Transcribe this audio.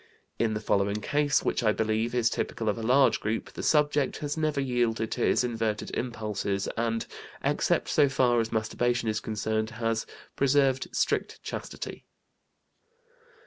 In the following case, which, I believe, is typical of a large group, the subject has never yielded to his inverted impulses, and, except so far as masturbation is concerned, has preserved strict chastity.